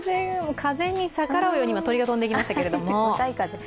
風に逆らうように鳥が飛んでいきましたけれども。